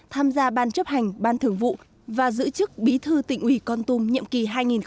tham gia ban chấp hành ban thường vụ và giữ chức bí thư tỉnh ủy con tum nhiệm kỳ hai nghìn một mươi năm hai nghìn hai mươi